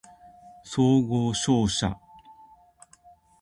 総合商社